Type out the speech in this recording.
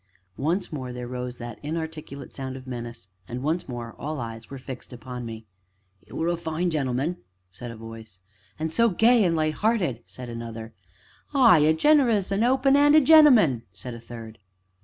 Once more there rose that inarticulate sound of menace, and once more all eyes were fixed upon me. "'E were a fine gen'man!" said a voice. "Ah! so gay an' light 'earted!" said another. "Ay, ay a generous, open open 'anded gen'man!" said a third.